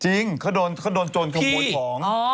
จริงเขาโดนจนกระหมูงกอหอง